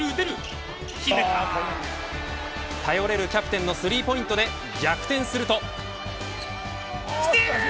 頼れるキャプテンのスリーポイントで逆転すると。